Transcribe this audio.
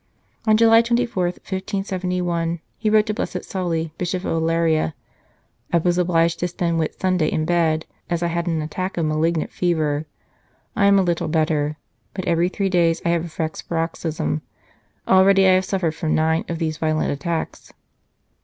95 St. Charles Borromeo On July 24, 1571, he wrote to Blessed Sauli, Bishop of Aleria :" I was obliged to spend Whit Sunday in bed, as I had an attack of malignant fever. I am a little better, but every three days I have a fresh paroxysm ; already I have suffered from nine of these violent attacks.